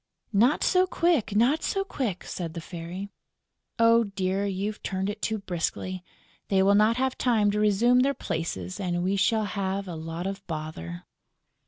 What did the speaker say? "Not so quick, not so quick!" said the Fairy. "Oh dear, you've turned it too briskly: they will not have time to resume their places and we shall have a lot of bother!"